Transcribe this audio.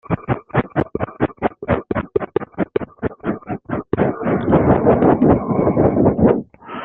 Le Canada est qualifiée directement en tant que nation-hôte.